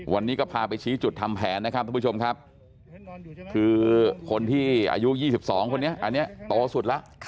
วันนี้ก็พาไปชี้จุดทำแผนนะครับทุกผู้ชมครับคือคนที่อายุ๒๒คนนี้อันนี้โตสุดแล้ว